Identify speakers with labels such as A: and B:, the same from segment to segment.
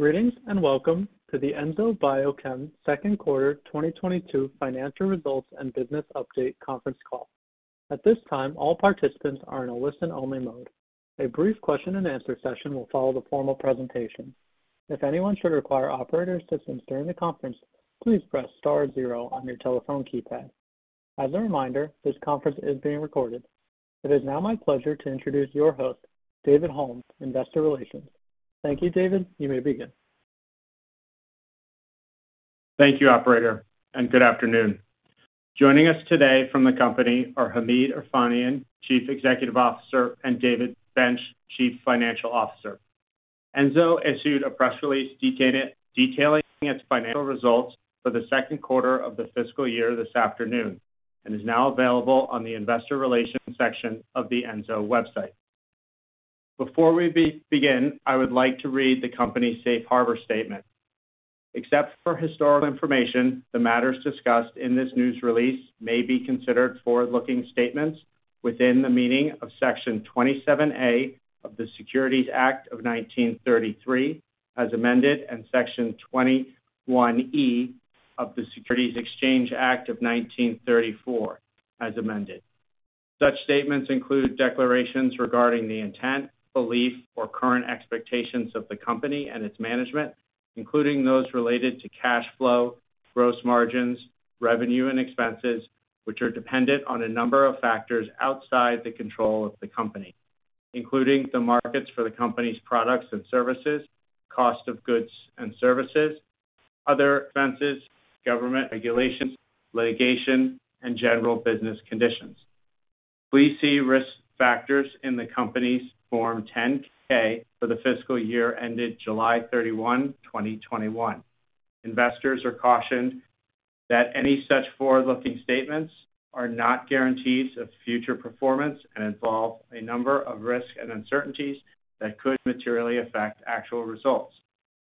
A: Greetings and welcome to the Enzo Biochem second quarter 2022 financial results and business update conference call. At this time, all participants are in a listen-only mode. A brief question and answer session will follow the formal presentation. If anyone should require operator assistance during the conference, please press star zero on your telephone keypad. As a reminder, this conference is being recorded. It is now my pleasure to introduce your host, David Holmes, Investor Relations. Thank you, David. You may begin.
B: Thank you, operator, and good afternoon. Joining us today from the company are Hamid Erfanian, Chief Executive Officer, and David Bench, Chief Financial Officer. Enzo issued a press release detailing its financial results for the second quarter of the fiscal year this afternoon and is now available on the investor relations section of the Enzo website. Before we begin, I would like to read the company's safe harbor statement. Except for historical information, the matters discussed in this news release may be considered forward-looking statements within the meaning of Section 27A of the Securities Act of 1933, as amended, and Section 21E of the Securities Exchange Act of 1934, as amended. Such statements include declarations regarding the intent, belief, or current expectations of the company and its management, including those related to cash flow, gross margins, revenue, and expenses, which are dependent on a number of factors outside the control of the company, including the markets for the company's products and services, cost of goods and services, other expenses, government regulations, litigation, and general business conditions. Please see risk factors in the company's Form 10-K for the fiscal year ended July 31, 2021. Investors are cautioned that any such forward-looking statements are not guarantees of future performance and involve a number of risks and uncertainties that could materially affect actual results.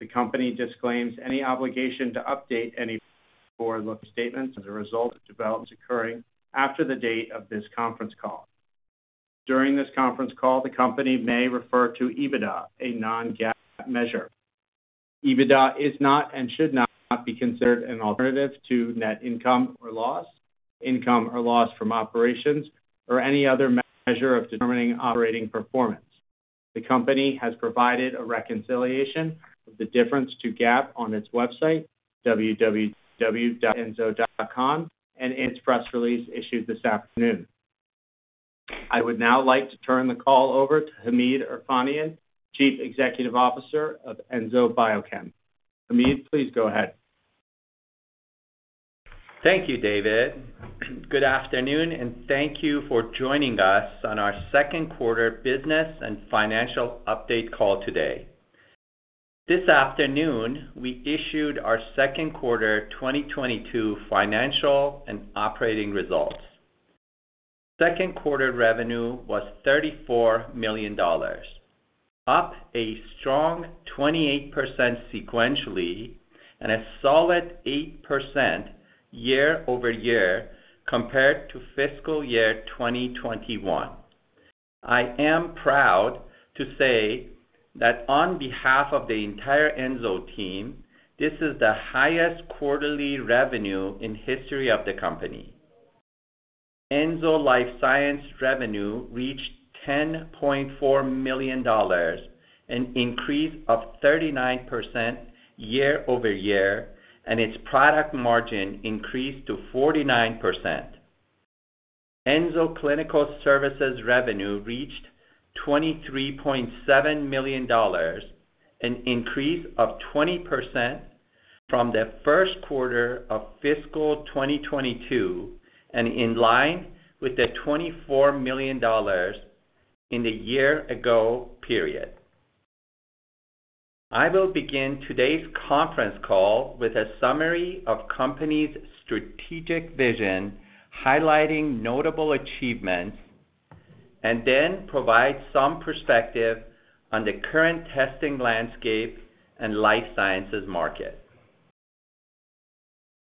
B: The company disclaims any obligation to update any forward-looking statements as a result of developments occurring after the date of this conference call. During this conference call, the company may refer to EBITDA, a non-GAAP measure. EBITDA is not and should not be considered an alternative to net income or loss, income or loss from operations, or any other measure of determining operating performance. The company has provided a reconciliation of the difference to GAAP on its website, www.enzo.com, and in its press release issued this afternoon. I would now like to turn the call over to Hamid Erfanian, Chief Executive Officer of Enzo Biochem. Hamid, please go ahead.
C: Thank you, David. Good afternoon, and thank you for joining us on our second quarter business and financial update call today. This afternoon, we issued our second quarter 2022 financial and operating results. Second quarter revenue was $34 million, up a strong 28% sequentially and a solid 8% year-over-year compared to fiscal year 2021. I am proud to say that on behalf of the entire Enzo team, this is the highest quarterly revenue in history of the company. Enzo Life Sciences revenue reached $10.4 million, an increase of 39% year-over-year, and its product margin increased to 49%. Enzo Clinical Labs revenue reached $23.7 million, an increase of 20% from the first quarter of fiscal 2022 and in line with the $24 million in the year-ago period. I will begin today's conference call with a summary of the company's strategic vision, highlighting notable achievements, and then provide some perspective on the current testing landscape and Life Sciences market.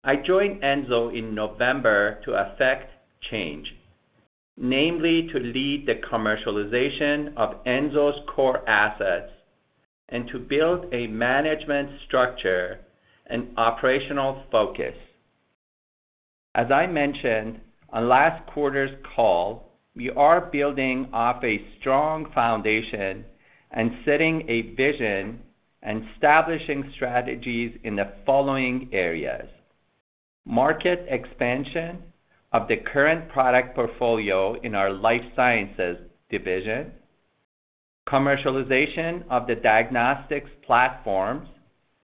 C: I joined Enzo in November to affect change, namely to lead the commercialization of Enzo's core assets and to build a management structure and operational focus. As I mentioned on last quarter's call, we are building off a strong foundation and setting a vision and establishing strategies in the following areas, market expansion of the current product portfolio in our Life Sciences division, commercialization of the diagnostics platforms,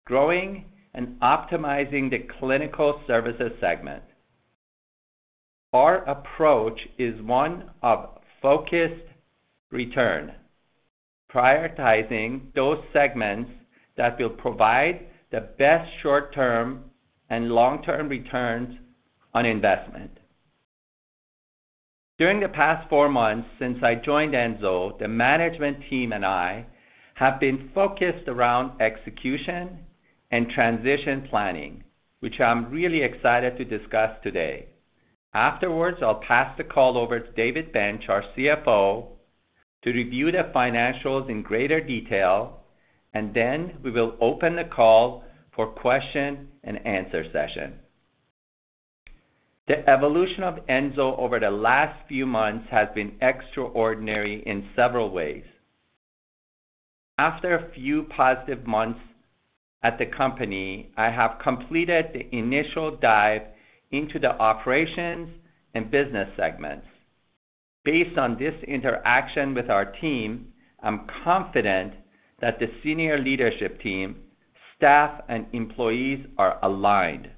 C: growing and optimizing the clinical services segment. Our approach is one of focused return, prioritizing those segments that will provide the best short-term and long-term returns on investment. During the past four months since I joined Enzo, the management team and I have been focused around execution and transition planning, which I'm really excited to discuss today. Afterwards, I'll pass the call over to David Bench, our CFO, to review the financials in greater detail, and then we will open the call for question and answer session. The evolution of Enzo over the last few months has been extraordinary in several ways. After a few positive months at the company, I have completed the initial dive into the operations and business segments. Based on this interaction with our team, I'm confident that the senior leadership team, staff, and employees are aligned.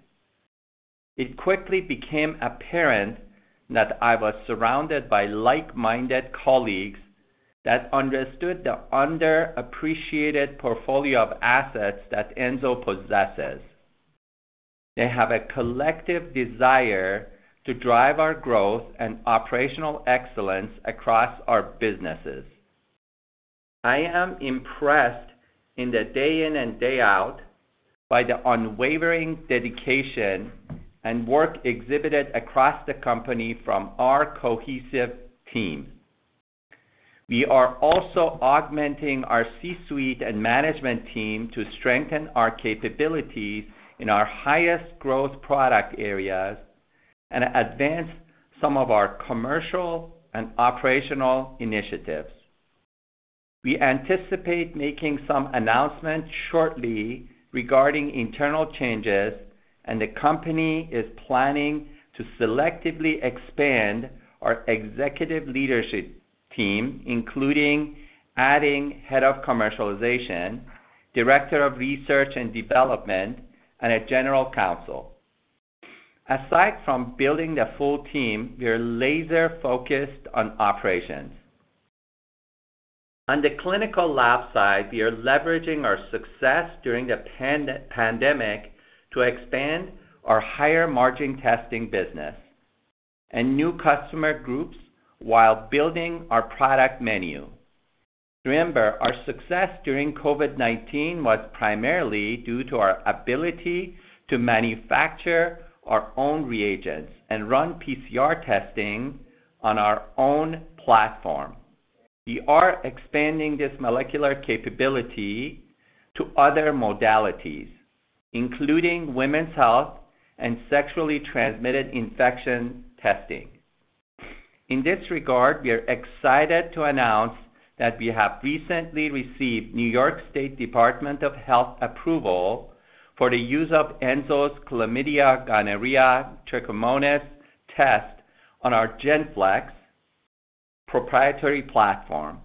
C: It quickly became apparent that I was surrounded by like-minded colleagues that understood the underappreciated portfolio of assets that Enzo possesses. They have a collective desire to drive our growth and operational excellence across our businesses. I am impressed day in and day out by the unwavering dedication and work exhibited across the company from our cohesive team. We are also augmenting our C-suite and management team to strengthen our capabilities in our highest growth product areas and advance some of our commercial and operational initiatives. We anticipate making some announcements shortly regarding internal changes, and the company is planning to selectively expand our executive leadership team, including adding Head of Commercialization, Director of Research and Development, and General Counsel. Aside from building the full team, we are laser-focused on operations. On the clinical lab side, we are leveraging our success during the pandemic to expand our higher margin testing business and new customer groups while building our product menu. Remember, our success during COVID-19 was primarily due to our ability to manufacture our own reagents and run PCR testing on our own platform. We are expanding this molecular capability to other modalities, including women's health and sexually transmitted infection testing. In this regard, we are excited to announce that we have recently received New York State Department of Health approval for the use of Enzo's Chlamydia Gonorrhea Trichomonas Test on our GENFLEX proprietary platform.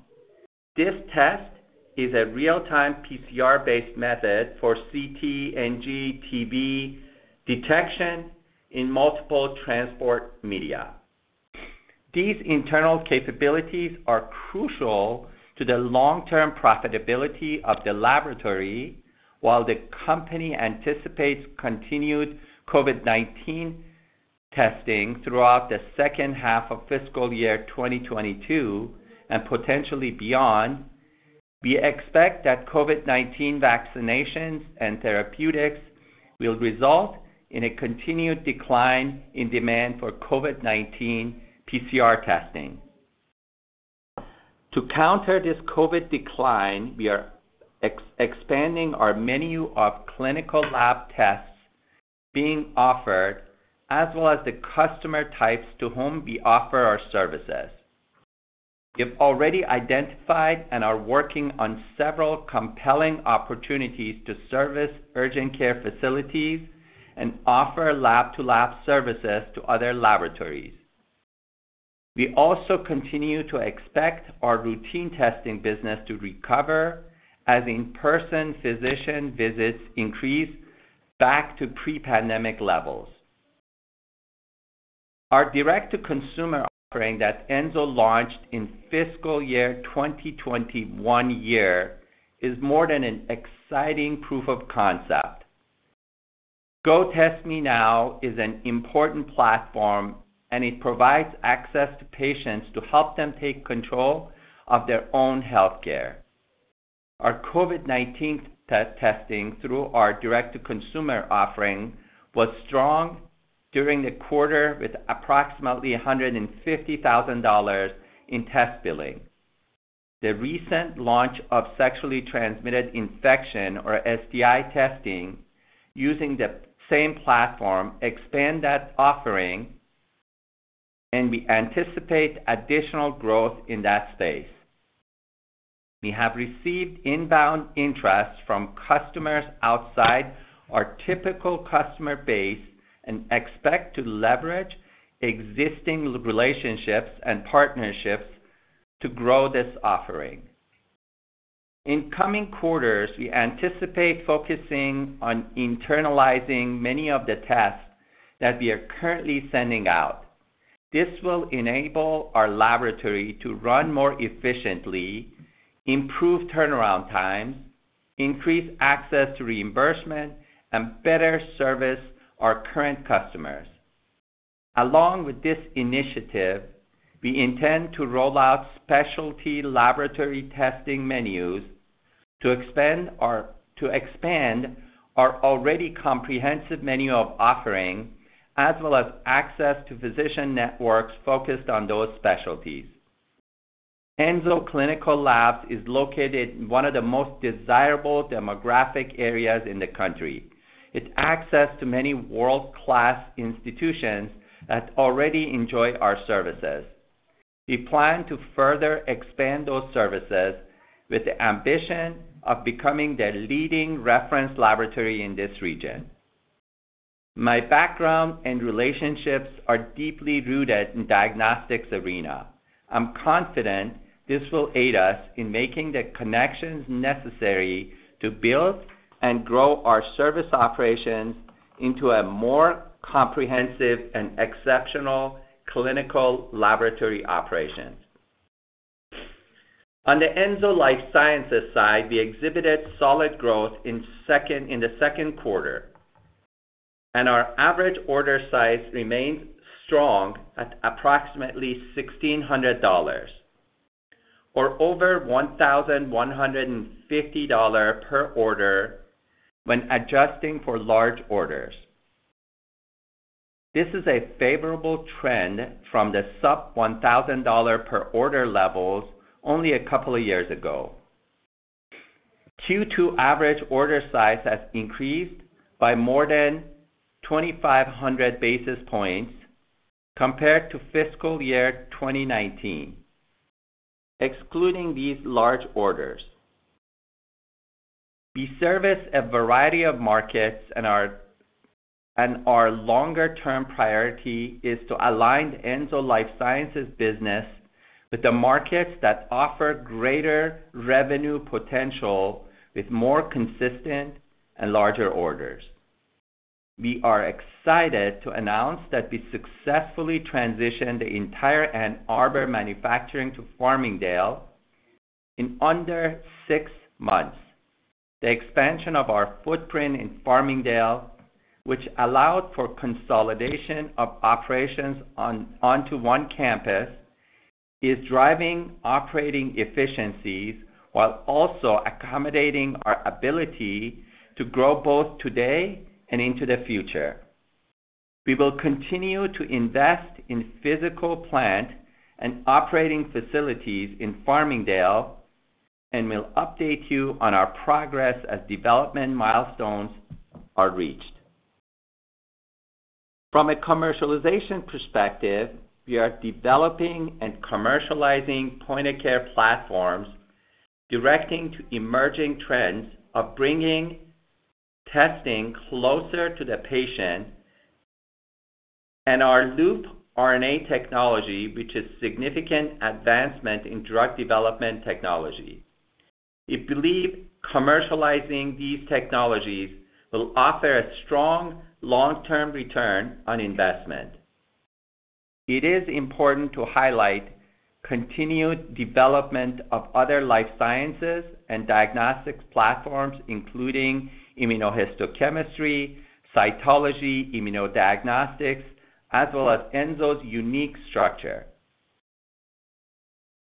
C: This test is a real-time PCR-based method for CT, NG, TV detection in multiple transport media. These internal capabilities are crucial to the long-term profitability of the laboratory while the company anticipates continued COVID-19 testing throughout the second half of fiscal year 2022 and potentially beyond. We expect that COVID-19 vaccinations and therapeutics will result in a continued decline in demand for COVID-19 PCR testing. To counter this COVID decline, we are expanding our menu of clinical lab tests being offered, as well as the customer types to whom we offer our services. We've already identified and are working on several compelling opportunities to service urgent care facilities and offer lab-to-lab services to other laboratories. We also continue to expect our routine testing business to recover as in-person physician visits increase back to pre-pandemic levels. Our direct-to-consumer offering that Enzo launched in fiscal year 2021 is more than an exciting proof of concept. GoTestMeNow is an important platform, and it provides access to patients to help them take control of their own healthcare. Our COVID-19 testing through our direct-to-consumer offering was strong during the quarter with approximately $150,000 in test billing. The recent launch of sexually transmitted infection or STI testing using the same platform expand that offering, and we anticipate additional growth in that space. We have received inbound interest from customers outside our typical customer base and expect to leverage existing relationships and partnerships to grow this offering. In coming quarters, we anticipate focusing on internalizing many of the tests that we are currently sending out. This will enable our laboratory to run more efficiently, improve turnaround times, increase access to reimbursement, and better service our current customers. Along with this initiative, we intend to roll out specialty laboratory testing menus to expand our already comprehensive menu of offering, as well as access to physician networks focused on those specialties. Enzo Clinical Labs is located in one of the most desirable demographic areas in the country with access to many world-class institutions that already enjoy our services. We plan to further expand those services with the ambition of becoming the leading reference laboratory in this region. My background and relationships are deeply rooted in diagnostics arena. I'm confident this will aid us in making the connections necessary to build and grow our service operations into a more comprehensive and exceptional clinical laboratory operations. On the Enzo Life Sciences side, we exhibited solid growth in the second quarter, and our average order size remained strong at approximately $1,600 or over $1,150 per order when adjusting for large orders. This is a favorable trend from the sub-$1,000 per order levels only a couple of years ago. Q2 average order size has increased by more than 2,500 basis points compared to fiscal year 2019, excluding these large orders. We service a variety of markets and our longer term priority is to align Enzo Life Sciences business with the markets that offer greater revenue potential with more consistent and larger orders. We are excited to announce that we successfully transitioned the entire Ann Arbor manufacturing to Farmingdale in under six months. The expansion of our footprint in Farmingdale, which allowed for consolidation of operations onto one campus, is driving operating efficiencies while also accommodating our ability to grow both today and into the future. We will continue to invest in physical plant and operating facilities in Farmingdale, and we'll update you on our progress as development milestones are reached. From a commercialization perspective, we are developing and commercializing point-of-care platforms directing to emerging trends of bringing testing closer to the patient and our LoopRNA technology, which is significant advancement in drug development technology. We believe commercializing these technologies will offer a strong long-term return on investment. It is important to highlight continued development of other Life Sciences and diagnostics platforms, including immunohistochemistry, cytology, immunodiagnostics, as well as Enzo's unique structure.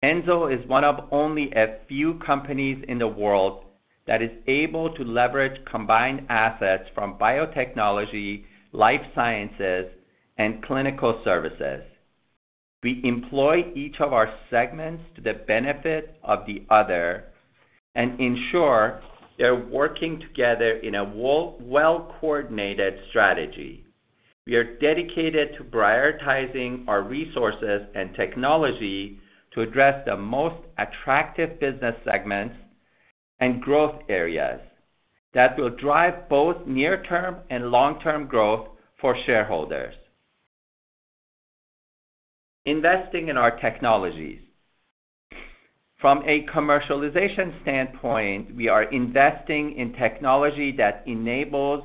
C: Enzo is one of only a few companies in the world that is able to leverage combined assets from biotechnology, Life Sciences, and clinical services. We employ each of our segments to the benefit of the other and ensure they're working together in a well-coordinated strategy. We are dedicated to prioritizing our resources and technology to address the most attractive business segments and growth areas that will drive both near-term and long-term growth for shareholders. Investing in our technologies. From a commercialization standpoint, we are investing in technology that enables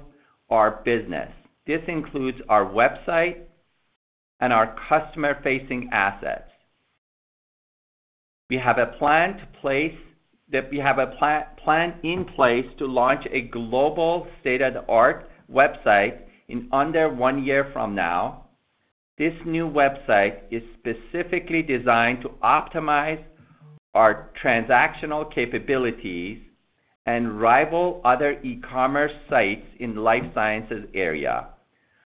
C: our business. This includes our website and our customer-facing assets. We have a plan in place to launch a global state-of-the-art website in under one year from now. This new website is specifically designed to optimize our transactional capabilities and rival other e-commerce sites in the Life Sciences area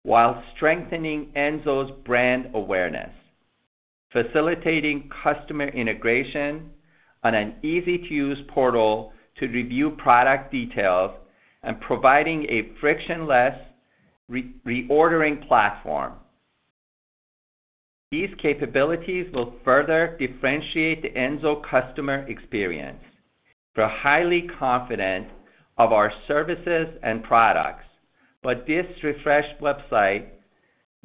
C: while strengthening Enzo's brand awareness, facilitating customer integration on an easy-to-use portal to review product details, and providing a frictionless reordering platform. These capabilities will further differentiate the Enzo customer experience. We're highly confident of our services and products, but this refreshed website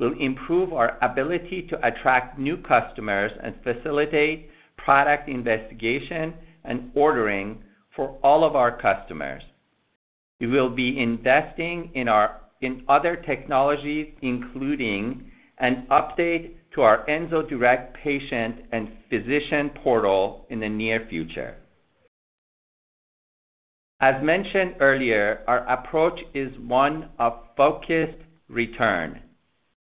C: will improve our ability to attract new customers and facilitate product investigation and ordering for all of our customers. We will be investing in other technologies, including an update to our Enzo Direct patient and physician portal in the near future. As mentioned earlier, our approach is one of focused return.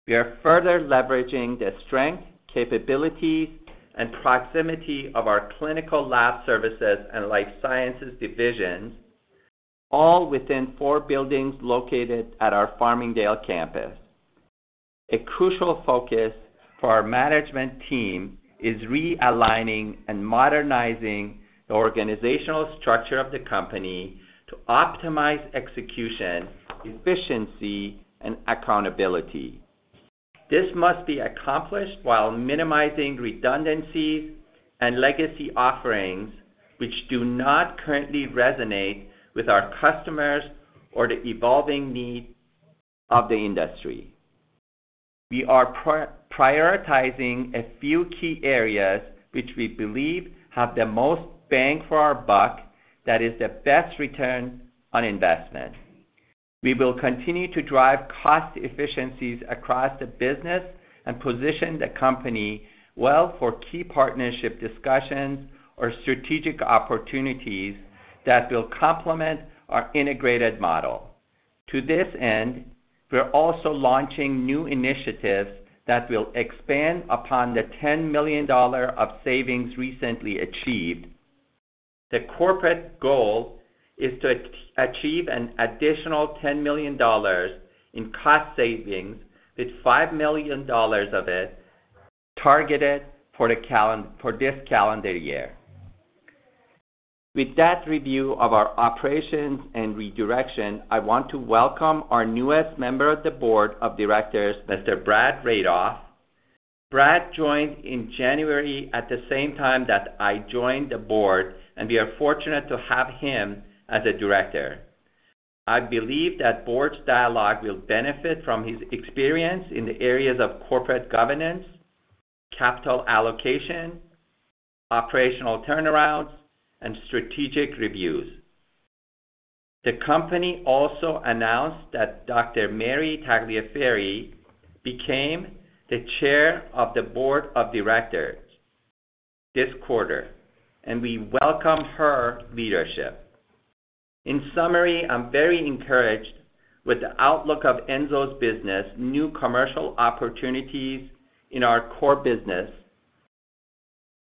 C: We are further leveraging the strength, capabilities, and proximity of our clinical lab services and Life Sciences divisions, all within four buildings located at our Farmingdale campus. A crucial focus for our management team is realigning and modernizing the organizational structure of the company to optimize execution, efficiency, and accountability. This must be accomplished while minimizing redundancies and legacy offerings, which do not currently resonate with our customers or the evolving needs of the industry. We are prioritizing a few key areas which we believe have the most bang for our buck, that is the best return on investment. We will continue to drive cost efficiencies across the business and position the company well for key partnership discussions or strategic opportunities that will complement our integrated model. To this end, we're also launching new initiatives that will expand upon the $10 million of savings recently achieved. The corporate goal is to achieve an additional $10 million in cost savings, with $5 million of it targeted for this calendar year. With that review of our operations and redirection, I want to welcome our newest member of the Board of Directors, Mr. Brad Radoff. Brad joined in January at the same time that I joined the board, and we are fortunate to have him as a director. I believe that the board's dialogue will benefit from his experience in the areas of corporate governance, capital allocation, operational turnarounds, and strategic reviews. The company also announced that Dr. Mary Tagliaferri became the Chair of the Board of Directors this quarter, and we welcome her leadership. In summary, I'm very encouraged with the outlook of Enzo's business, new commercial opportunities in our core business,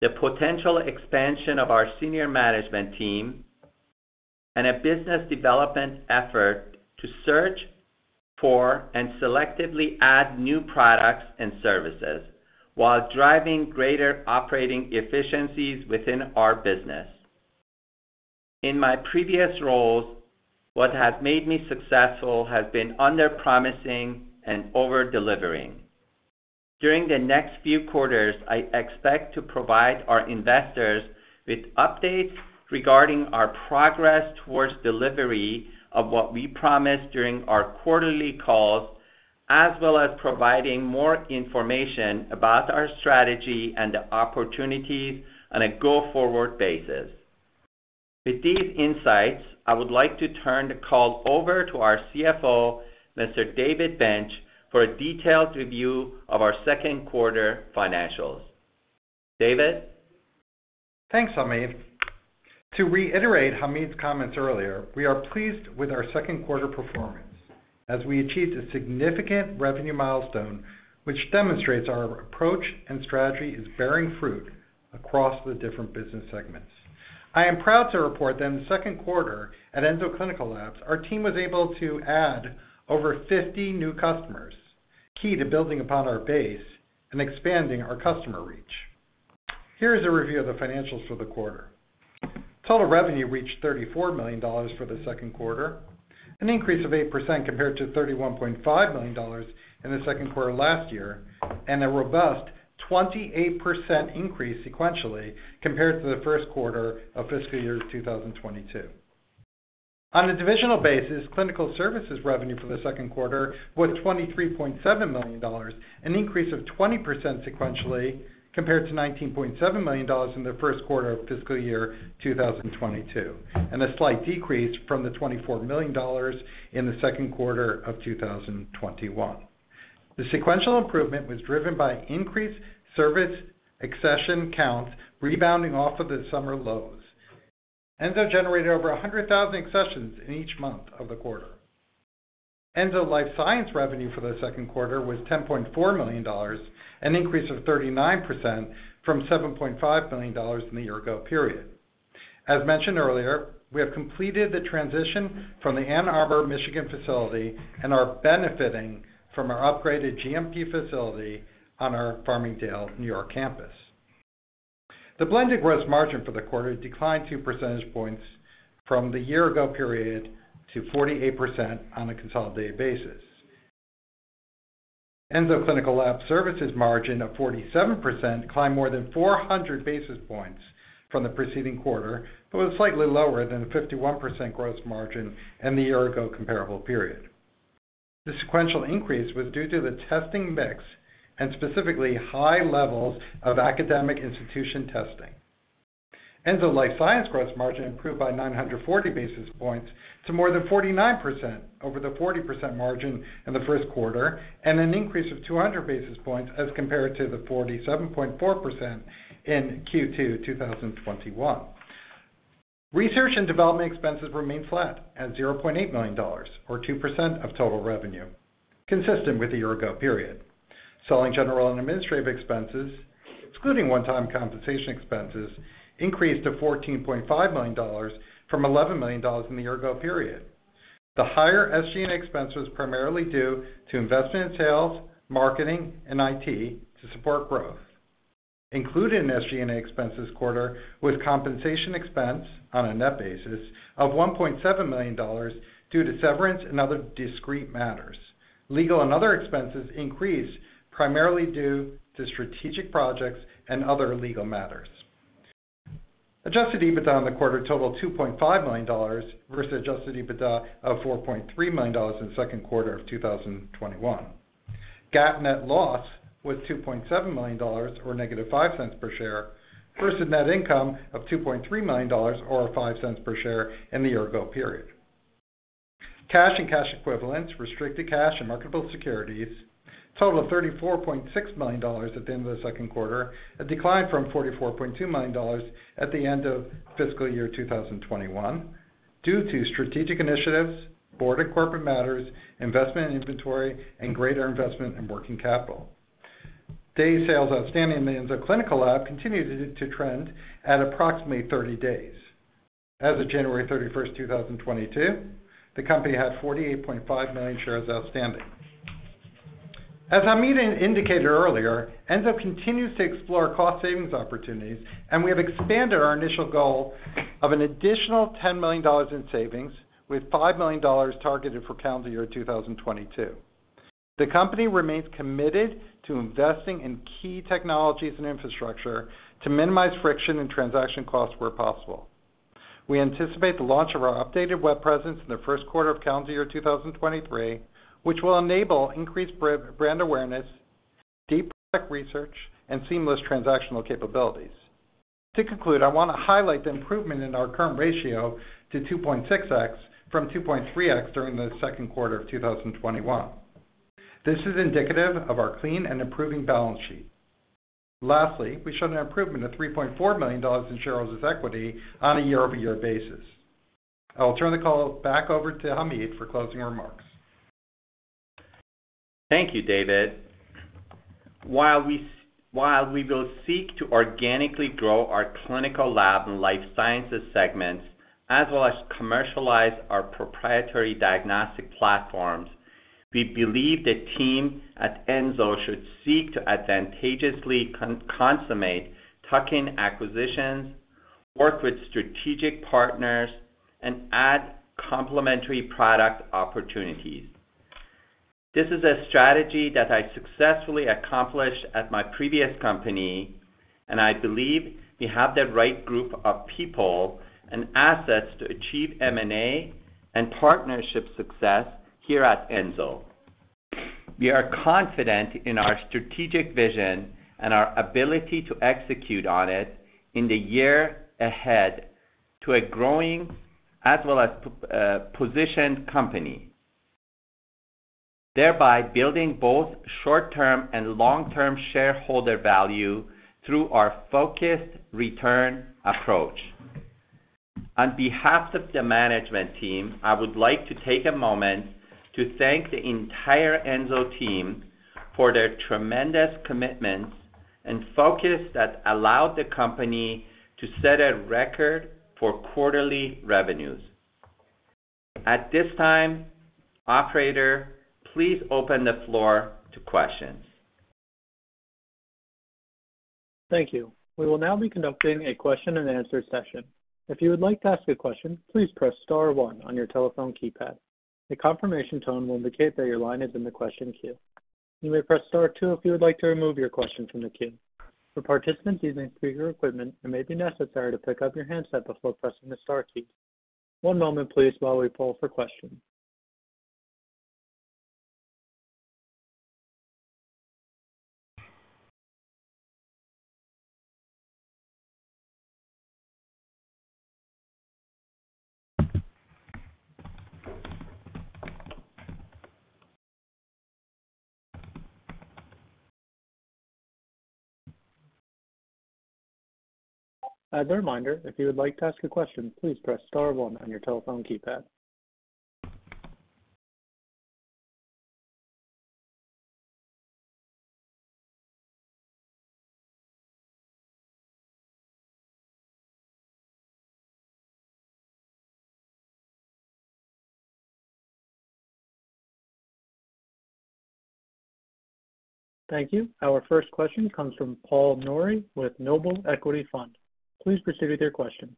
C: the potential expansion of our senior management team, and a business development effort to search for and selectively add new products and services while driving greater operating efficiencies within our business. In my previous roles, what has made me successful has been underpromising and over-delivering. During the next few quarters, I expect to provide our investors with updates regarding our progress towards delivery of what we promise during our quarterly calls, as well as providing more information about our strategy and the opportunities on a go-forward basis. With these insights, I would like to turn the call over to our CFO, Mr. David Bench, for a detailed review of our second quarter financials. David?
D: Thanks, Hamid. To reiterate Hamid's comments earlier, we are pleased with our second quarter performance as we achieved a significant revenue milestone, which demonstrates our approach and strategy is bearing fruit across the different business segments. I am proud to report that in the second quarter at Enzo Clinical Labs, our team was able to add over 50 new customers, key to building upon our base and expanding our customer reach. Here is a review of the financials for the quarter. Total revenue reached $34 million for the second quarter, an increase of 8% compared to $31.5 million in the second quarter last year, and a robust 28% increase sequentially compared to the first quarter of fiscal year 2022. On a divisional basis, clinical services revenue for the second quarter was $23.7 million, an increase of 20% sequentially compared to $19.7 million in the first quarter of fiscal year 2022, and a slight decrease from the $24 million in the second quarter of 2021. The sequential improvement was driven by increased service accession counts rebounding off of the summer lows. Enzo generated over 100,000 accessions in each month of the quarter. Enzo Life Sciences revenue for the second quarter was $10.4 million, an increase of 39% from $7.5 million in the year ago period. As mentioned earlier, we have completed the transition from the Ann Arbor, Michigan facility and are benefiting from our upgraded GMP facility on our Farmingdale, New York campus. The blended gross margin for the quarter declined 2 percentage points from the year ago period to 48% on a consolidated basis. Enzo Clinical Labs services margin of 47% climbed more than 400 basis points from the preceding quarter, but was slightly lower than the 51% gross margin in the year ago comparable period. The sequential increase was due to the testing mix and specifically high levels of academic institution testing. Enzo Life Sciences gross margin improved by 940 basis points to more than 49% over the 40% margin in the first quarter, and an increase of 200 basis points as compared to the 47.4% in Q2 2021. Research and development expenses remained flat at $0.8 million or 2% of total revenue, consistent with the year-ago period. Selling, general, and administrative expenses, excluding one-time compensation expenses, increased to $14.5 million from $11 million in the year-ago period. The higher SG&A expense was primarily due to investment in sales, marketing, and IT to support growth. Included in SG&A expenses in the quarter was compensation expense on a net basis of $1.7 million due to severance and other discrete matters. Legal and other expenses increased primarily due to strategic projects and other legal matters. Adjusted EBITDA in the quarter totaled $2.5 million versus Adjusted EBITDA of $4.3 million in the second quarter of 2021. GAAP net loss was $2.7 million or -$0.05 per share versus net income of $2.3 million or $0.05 per share in the year-ago period. Cash and cash equivalents, restricted cash, and marketable securities totaled $34.6 million at the end of the second quarter, a decline from $44.2 million at the end of fiscal year 2021 due to strategic initiatives, board and corporate matters, investment in inventory, and greater investment in working capital. Day sales outstanding in the Enzo Clinical Labs continued to trend at approximately 30 days. As of January 31st, 2022, the company had 48.5 million shares outstanding. As Hamid indicated earlier, Enzo continues to explore cost savings opportunities, and we have expanded our initial goal of an additional $10 million in savings with $5 million targeted for calendar year 2022. The company remains committed to investing in key technologies and infrastructure to minimize friction and transaction costs where possible. We anticipate the launch of our updated web presence in the first quarter of calendar year 2023, which will enable increased brand awareness, deep product research, and seamless transactional capabilities. To conclude, I want to highlight the improvement in our current ratio to 2.6x from 2.3x during the second quarter of 2021. This is indicative of our clean and improving balance sheet. Lastly, we showed an improvement of $3.4 million in shareholders' equity on a year-over-year basis. I'll turn the call back over to Hamid for closing remarks.
C: Thank you, David. While we will seek to organically grow our Clinical Lab and Life Sciences segments, as well as commercialize our proprietary diagnostic platforms, we believe the team at Enzo should seek to advantageously consummate tuck-in acquisitions, work with strategic partners, and add complementary product opportunities. This is a strategy that I successfully accomplished at my previous company, and I believe we have the right group of people and assets to achieve M&A and partnership success here at Enzo. We are confident in our strategic vision and our ability to execute on it in the year ahead to a growing, as well as well-positioned company, thereby building both short-term and long-term shareholder value through our focused return approach. On behalf of the management team, I would like to take a moment to thank the entire Enzo team for their tremendous commitment and focus that allowed the company to set a record for quarterly revenues. At this time, operator, please open the floor to questions.
A: Thank you. We will now be conducting a question-and-answer session. If you would like to ask a question, please press star one on your telephone keypad. A confirmation tone will indicate that your line is in the question queue. You may press star two if you would like to remove your question from the queue. For participants using speaker equipment, it may be necessary to pick up your handset before pressing the star key. One moment, please, while we poll for questions. As a reminder, if you would like to ask a question, please press star one on your telephone keypad. Thank you. Our first question comes from Paul Nouri with Noble Equity Fund. Please proceed with your question.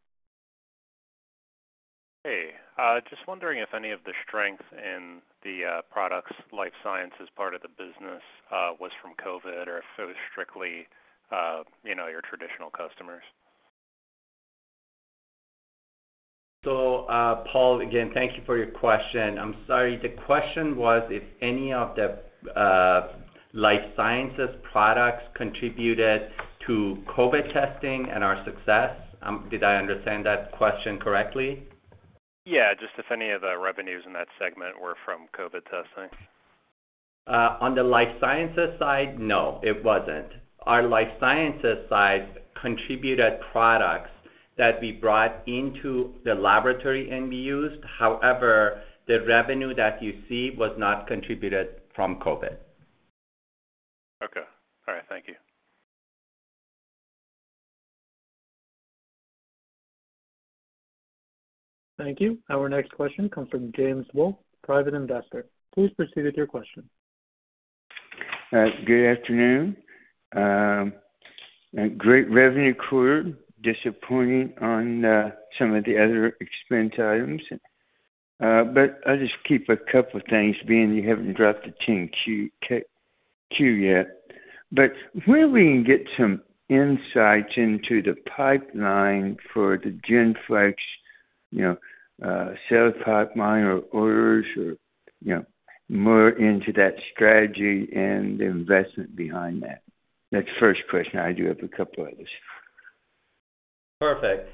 E: Hey, just wondering if any of the strength in the products Life Sciences part of the business was from COVID or if it was strictly, you know, your traditional customers.
C: Paul, again, thank you for your question. I'm sorry, the question was if any of the Life Sciences products contributed to COVID testing and our success. Did I understand that question correctly?
E: Yeah, just if any of the revenues in that segment were from COVID testing?
C: On the Life Sciences side, no, it wasn't. Our Life Sciences side contributed products that we brought into the laboratory and we used. However, the revenue that you see was not contributed from COVID.
E: Okay. All right, thank you.
A: Thank you. Our next question comes from James Wolf, Private Investor. Please proceed with your question.
F: Good afternoon. A great revenue quarter. Disappointing on some of the other expense items. I just have a couple things, seeing you haven't dropped the 10-Q yet. Where we can get some insights into the pipeline for the GENFLEX, you know, sales pipeline or orders or, you know, more into that strategy and the investment behind that. That's the first question. I do have a couple others.
C: Perfect.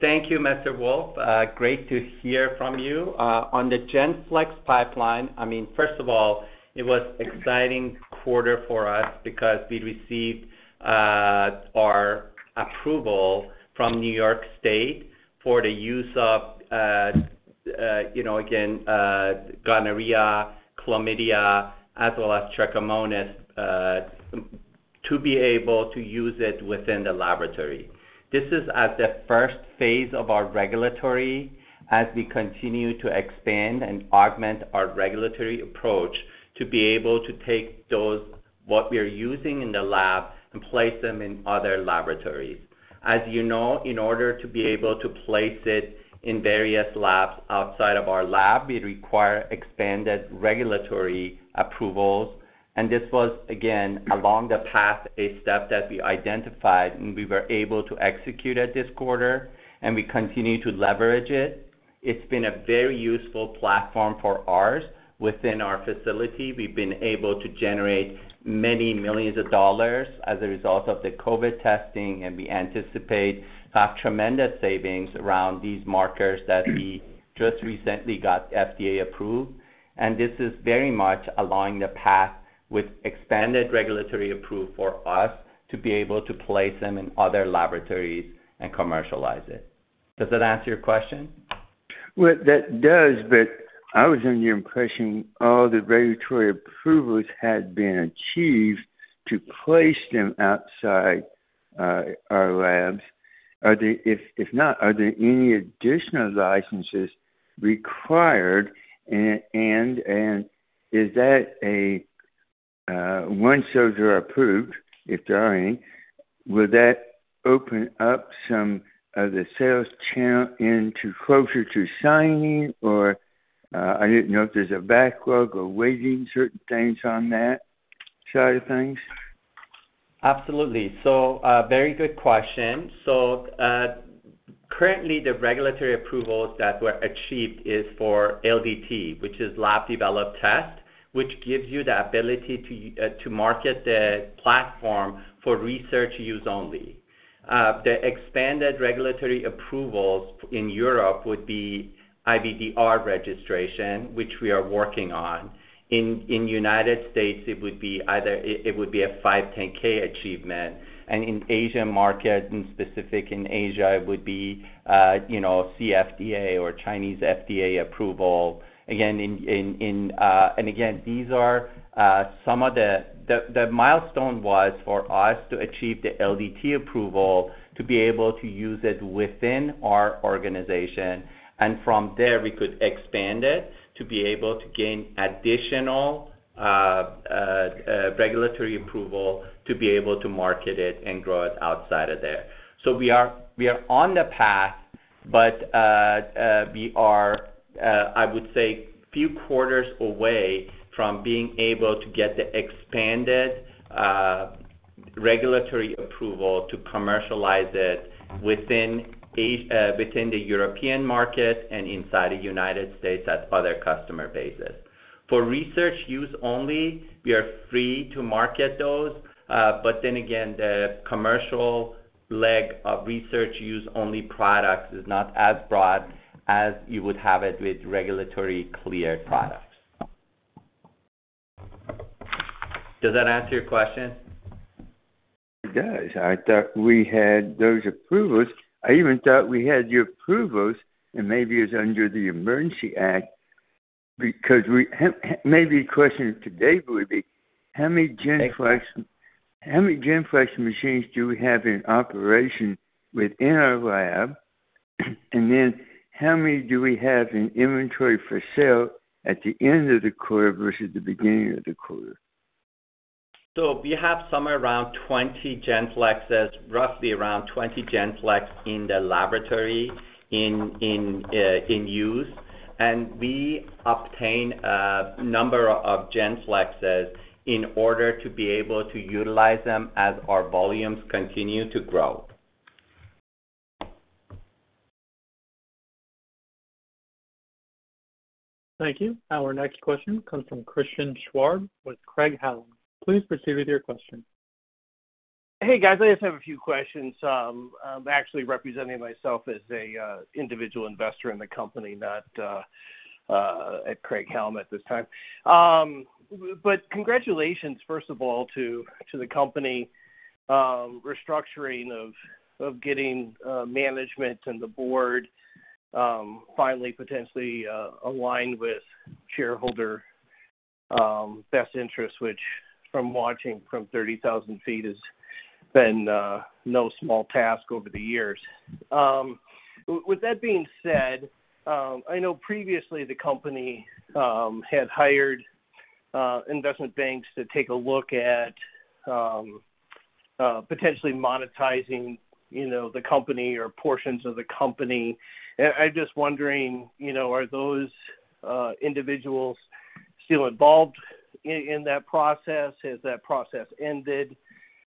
C: Thank you, Mr. Wolf. Great to hear from you. On the GENFLEX pipeline, I mean, first of all, it was exciting quarter for us because we received our approval from New York State for the use of, you know, again, gonorrhea, chlamydia, as well as trichomonas, to be able to use it within the laboratory. This is at the first phase of our regulatory as we continue to expand and augment our regulatory approach to be able to take those, what we are using in the lab and place them in other laboratories. As you know, in order to be able to place it in various labs outside of our lab, we require expanded regulatory approvals. This was, again, along the path, a step that we identified, and we were able to execute at this quarter, and we continue to leverage it. It's been a very useful platform for ours. Within our facility, we've been able to generate many millions of dollars as a result of the COVID testing, and we anticipate to have tremendous savings around these markers that we just recently got FDA approved. This is very much along the path with expanded regulatory approval for us to be able to place them in other laboratories and commercialize it. Does that answer your question?
F: Well, that does, but I was under the impression all the regulatory approvals had been achieved to place them outside our labs. If not, are there any additional licenses required? Once those are approved, if there are any, will that open up some of the sales channel into closer to signing or I didn't know if there's a backlog or waiting on certain things on that side of things.
C: Absolutely. Very good question. Currently, the regulatory approvals that were achieved is for LDT, which is lab-developed test, which gives you the ability to market the platform for research use only. The expanded regulatory approvals in Europe would be IVDR registration, which we are working on. In the United States, it would be a 510(k) achievement. In Asia market and specifically in Asia, it would be, you know, CFDA or Chinese FDA approval. Again, these are some of the. The milestone was for us to achieve the LDT approval to be able to use it within our organization. From there, we could expand it to be able to gain additional regulatory approval to be able to market it and grow it outside of there. We are on the path, but we are, I would say few quarters away from being able to get the expanded regulatory approval to commercialize it within the European market and inside the United States as other customer bases. For research use only, we are free to market those. Then again, the commercial leg of research use only products is not as broad as you would have it with regulatory cleared products. Does that answer your question?
F: It does. I thought we had those approvals. I even thought we had your approvals, and maybe it's under the Emergency Act. Maybe the question today would be: how many GENFLEX machines do we have in operation within our lab? How many do we have in inventory for sale at the end of the quarter versus the beginning of the quarter?
C: We have somewhere around 20 GENFLEXs, roughly around 20 GENFLEX in the laboratory in use. We obtain a number of GenFlexes in order to be able to utilize them as our volumes continue to grow.
A: Thank you. Our next question comes from Christian Schwab with Craig-Hallum. Please proceed with your question.
G: Hey guys, I just have a few questions. I'm actually representing myself as a individual investor in the company, not at Craig-Hallum at this time. Congratulations, first of all, to the company restructuring of getting management and the board finally potentially aligned with shareholder best interests, which from watching from thirty thousand feet has been no small task over the years. With that being said, I know previously the company had hired investment banks to take a look at potentially monetizing, you know, the company or portions of the company. Just wondering, you know, are those individuals still involved in that process? Has that process ended?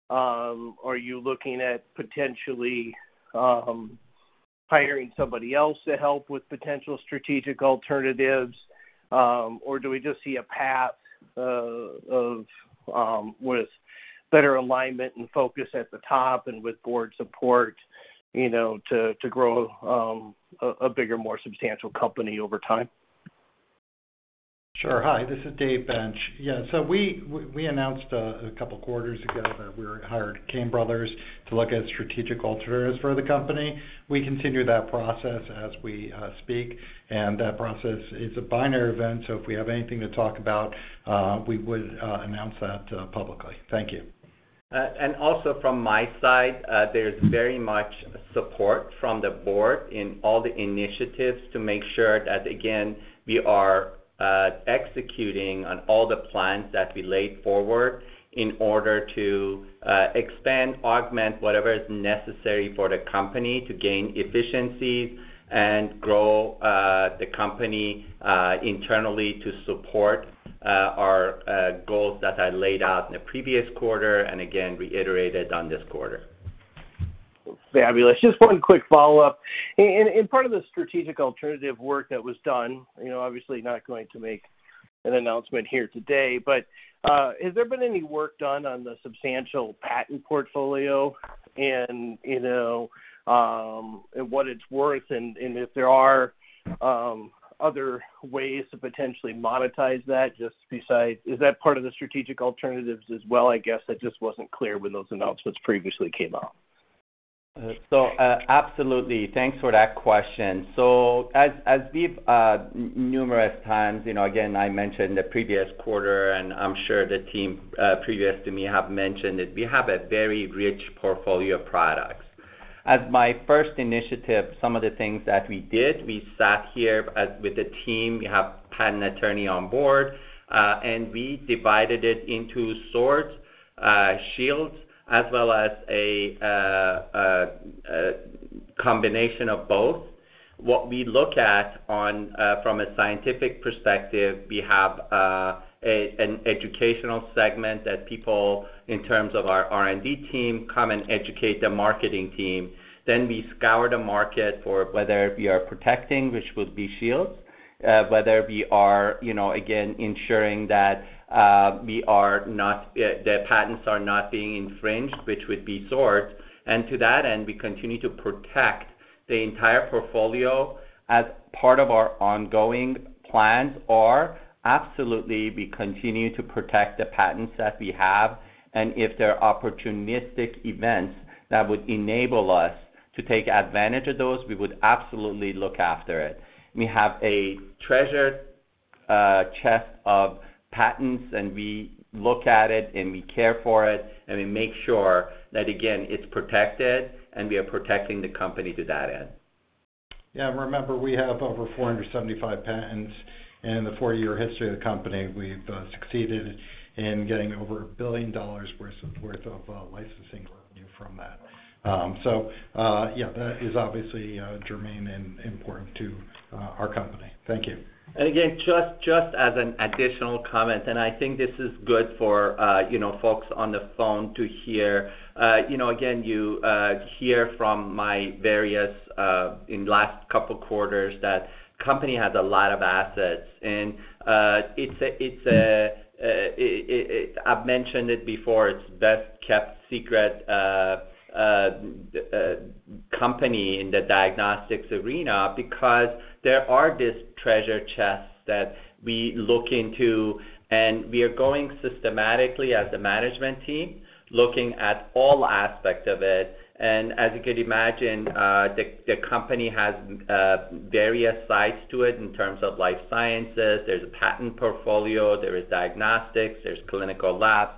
G: Are you looking at potentially hiring somebody else to help with potential strategic alternatives? Do we just see a path with better alignment and focus at the top and with board support, you know, to grow a bigger, more substantial company over time?
D: Hi, this is David Bench. Yeah. We announced a couple of quarters ago that we hired Jefferies LLC to look at strategic alternatives for the company. We continue that process as we speak, and that process is a binary event, so if we have anything to talk about, we would announce that publicly. Thank you.
C: From my side, there's very much support from the board in all the initiatives to make sure that, again, we are executing on all the plans that we laid forward in order to expand, augment whatever is necessary for the company to gain efficiencies and grow the company internally to support our goals that I laid out in the previous quarter and again reiterated on this quarter.
G: Fabulous. Just one quick follow-up. Part of the strategic alternative work that was done, you know, obviously not going to make an announcement here today, but has there been any work done on the substantial patent portfolio and, you know, and what it's worth and if there are other ways to potentially monetize that just besides. Is that part of the strategic alternatives as well, I guess? That just wasn't clear when those announcements previously came out.
C: Absolutely. Thanks for that question. As we've numerous times, you know, again, I mentioned the previous quarter and I'm sure the team previous to me have mentioned it, we have a very rich portfolio of products. As my first initiative, some of the things that we did, we sat here with the team, we have patent attorney on board, and we divided it into swords, shields, as well as a combination of both. What we look at from a scientific perspective, we have an educational segment that people, in terms of our R&D team, come and educate the marketing team. We scour the market for whether we are protecting, which would be shields, whether we are, you know, again, ensuring that we are not, the patents are not being infringed, which would be swords. To that end, we continue to protect the entire portfolio as part of our ongoing plans are absolutely, we continue to protect the patents that we have. If there are opportunistic events that would enable us to take advantage of those, we would absolutely look after it. We have a treasure chest of patents, and we look at it and we care for it, and we make sure that, again, it's protected and we are protecting the company to that end.
D: Yeah. Remember, we have over 475 patents in the four-year history of the company. We've succeeded in getting over $1 billion worth of licensing revenue from that. That is obviously germane and important to our company. Thank you.
C: Again, just as an additional comment, I think this is good for, you know, folks on the phone to hear. You know, again, you've heard from me in the last couple quarters that the company has a lot of assets. It's a best-kept secret company in the diagnostics arena because there are these treasure chests that we look into, and we are going systematically as a management team, looking at all aspects of it. As you can imagine, the company has various sides to it in terms of Life Sciences. There's a patent portfolio, there is diagnostics, there's clinical labs.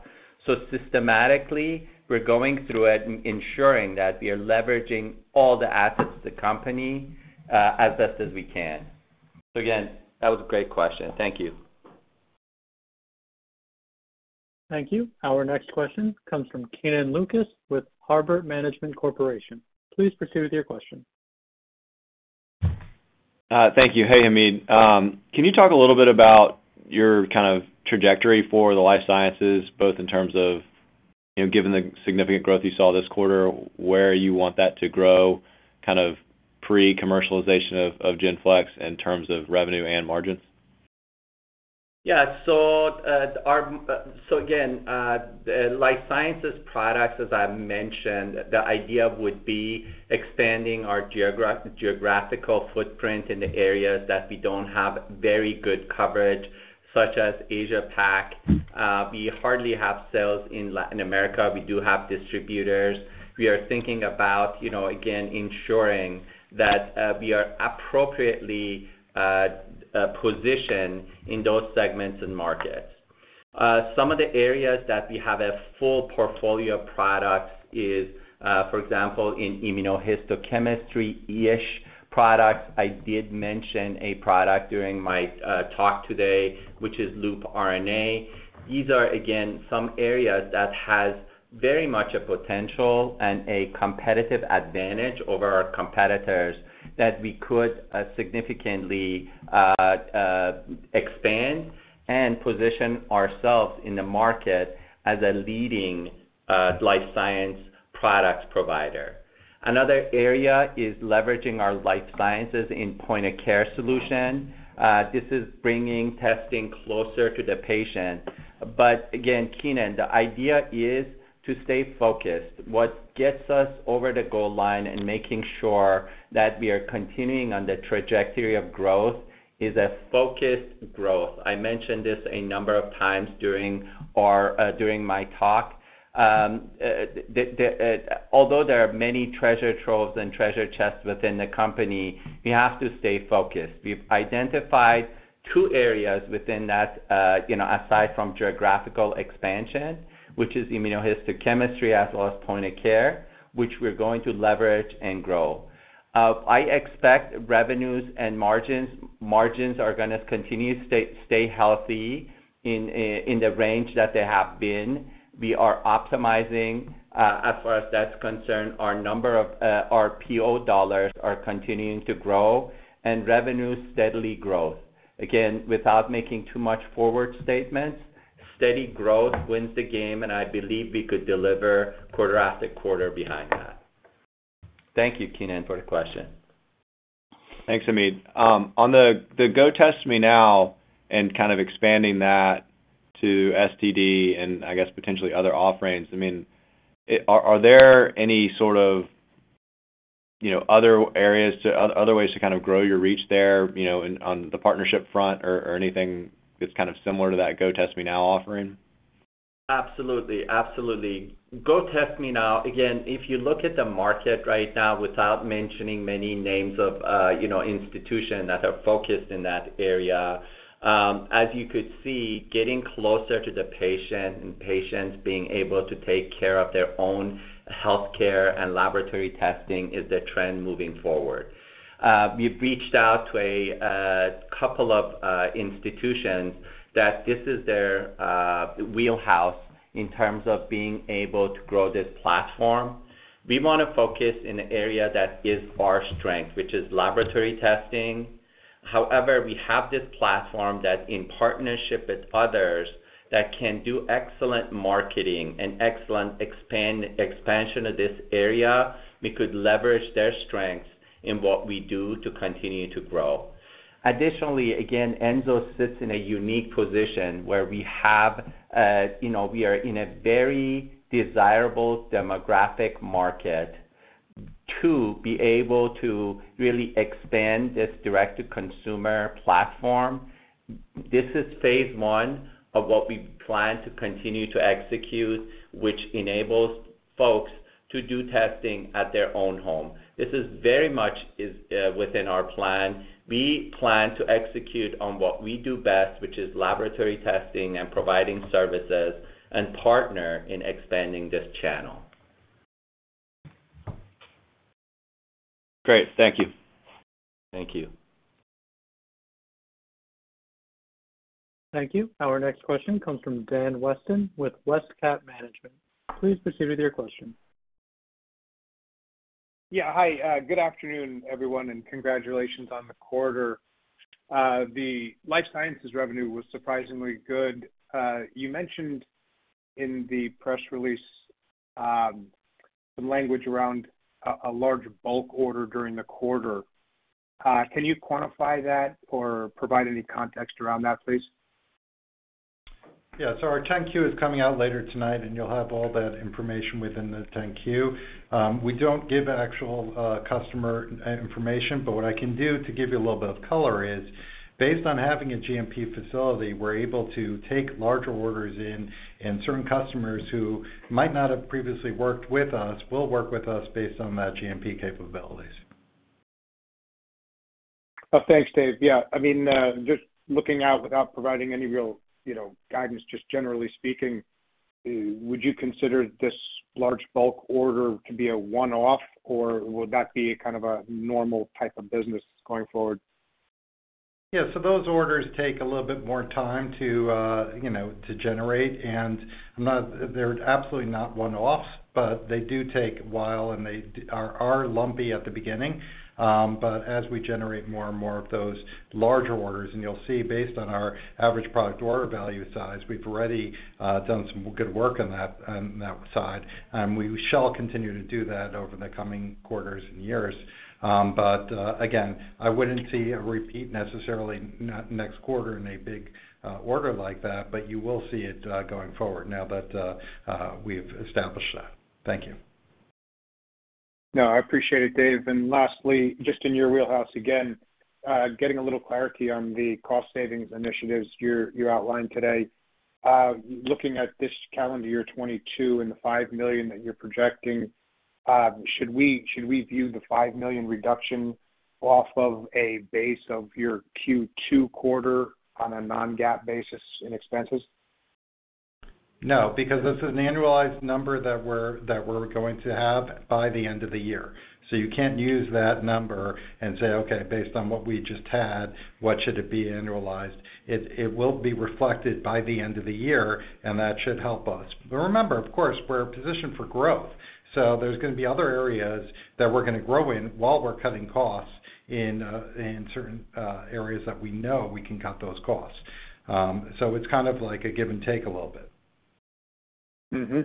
C: So systematically, we're going through it and ensuring that we are leveraging all the assets of the company as best as we can. Again, that was a great question. Thank you.
A: Thank you. Our next question comes from Kenan Lucas with Harbert Management Corporation. Please proceed with your question.
H: Thank you. Hey, Hamid. Can you talk a little bit about your kind of trajectory for the Life Sciences, both in terms of, you know, given the significant growth you saw this quarter, where you want that to grow kind of pre-commercialization of GENFLEX in terms of revenue and margins?
C: The Life Sciences products, as I mentioned, the idea would be expanding our geographical footprint in the areas that we don't have very good coverage, such as Asia Pac. We hardly have sales in Latin America. We do have distributors. We are thinking about, you know, again, ensuring that we are appropriately positioned in those segments and markets. Some of the areas that we have a full portfolio of products is, for example, in immunohistochemistry, IHC products. I did mention a product during my talk today, which is LoopRNA. These are, again, some areas that has very much a potential and a competitive advantage over our competitors that we could significantly expand and position ourselves in the market as a leading Life Science product provider. Another area is leveraging our Life Sciences and point of care solution. This is bringing testing closer to the patient. Again, Kenan, the idea is to stay focused. What gets us over the goal line and making sure that we are continuing on the trajectory of growth is a focused growth. I mentioned this a number of times during my talk. Although there are many treasure troves and treasure chests within the company, we have to stay focused. We've identified two areas within that, you know, aside from geographical expansion, which is immunohistochemistry as well as point of care, which we're going to leverage and grow. I expect revenues and margins. Margins are gonna continue to stay healthy in the range that they have been. We are optimizing, as far as that's concerned, our number of, our PO dollars are continuing to grow and revenues steadily grow. Again, without making too much forward statements, steady growth wins the game, and I believe we could deliver quarter after quarter behind that. Thank you, Kenan, for the question.
H: Thanks, Hamid. On the GoTestMeNow and kind of expanding that to STD and I guess potentially other offerings, I mean, are there any sort of, you know, other ways to kind of grow your reach there, you know, on the partnership front or anything that's kind of similar to that GoTestMeNow offering?
C: Absolutely. GoTestMeNow, again, if you look at the market right now without mentioning many names of institutions that are focused in that area, as you could see, getting closer to the patient and patients being able to take care of their own healthcare and laboratory testing is the trend moving forward. We've reached out to a couple of institutions that this is their wheelhouse in terms of being able to grow this platform. We wanna focus in the area that is our strength, which is laboratory testing. However, we have this platform that in partnership with others that can do excellent marketing and excellent expansion of this area, we could leverage their strengths in what we do to continue to grow. Additionally, again, Enzo sits in a unique position where we have, we are in a very desirable demographic market to be able to really expand this direct-to-consumer platform. This is phase one of what we plan to continue to execute, which enables folks to do testing at their own home. This is very much within our plan. We plan to execute on what we do best, which is laboratory testing and providing services and partner in expanding this channel.
H: Great. Thank you.
C: Thank you.
A: Thank you. Our next question comes from Dan Weston with WestCap Management. Please proceed with your question.
I: Yeah, hi. Good afternoon everyone, and congratulations on the quarter. The Life Sciences revenue was surprisingly good. You mentioned in the press release, some language around a large bulk order during the quarter. Can you quantify that or provide any context around that, please?
D: Yeah. Our 10-Q is coming out later tonight, and you'll have all that information within the 10-Q. We don't give actual customer information, but what I can do to give you a little bit of color is based on having a GMP facility, we're able to take larger orders in, and certain customers who might not have previously worked with us will work with us based on that GMP capabilities.
I: Thanks, Dave. Yeah, I mean, just looking out without providing any real, you know, guidance, just generally speaking, would you consider this large bulk order to be a one-off, or would that be a kind of a normal type of business going forward?
D: Yeah. Those orders take a little bit more time to, you know, to generate. They're absolutely not one-offs, but they do take a while, and they are lumpy at the beginning. As we generate more and more of those larger orders, and you'll see based on our average product order value size, we've already done some good work on that side. We shall continue to do that over the coming quarters and years. Again, I wouldn't see a repeat necessarily next quarter in a big order like that, but you will see it going forward now that we've established that. Thank you.
I: No, I appreciate it, Dave. Lastly, just in your wheelhouse again, getting a little clarity on the cost savings initiatives you outlined today. Looking at this calendar year 2022 and the $5 million that you're projecting, should we view the $5 million reduction off of a base of your Q2 quarter on a non-GAAP basis in expenses?
D: No, because this is an annualized number that we're going to have by the end of the year. You can't use that number and say, "Okay, based on what we just had, what should it be annualized?" It will be reflected by the end of the year, and that should help us. Remember, of course, we're positioned for growth. There's gonna be other areas that we're gonna grow in while we're cutting costs in certain areas that we know we can cut those costs. It's kind of like a give and take a little bit.
I: Mm-hmm.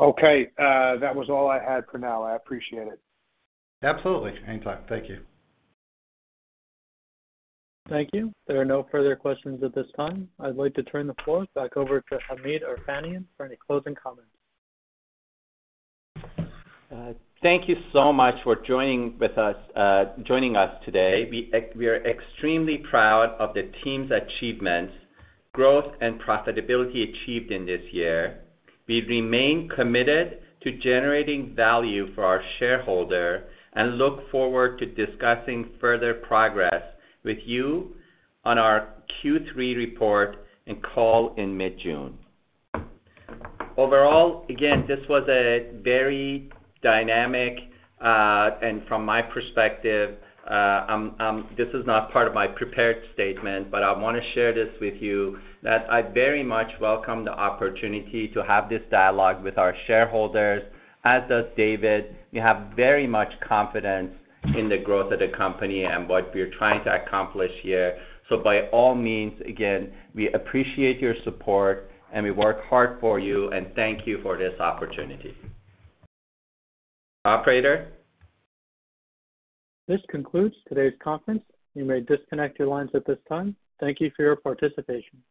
I: Okay, that was all I had for now. I appreciate it.
D: Absolutely. Anytime. Thank you.
A: Thank you. There are no further questions at this time. I'd like to turn the floor back over to Hamid Erfanian for any closing comments.
C: Thank you so much for joining us today. We are extremely proud of the team's achievements, growth, and profitability achieved in this year. We remain committed to generating value for our shareholder and look forward to discussing further progress with you on our Q3 report and call in mid-June. Overall, again, this was a very dynamic and from my perspective, this is not part of my prepared statement, but I wanna share this with you that I very much welcome the opportunity to have this dialogue with our shareholders, as does David. We have very much confidence in the growth of the company and what we're trying to accomplish here. By all means, again, we appreciate your support, and we work hard for you, and thank you for this opportunity. Operator?
A: This concludes today's conference. You may disconnect your lines at this time. Thank you for your participation.